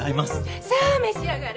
さあ召し上がれ！